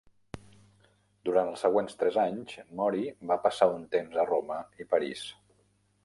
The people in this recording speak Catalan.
Durant els següents tres anys, Mori va passar un temps a Roma i París.